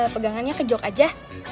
pegangannya kejok aja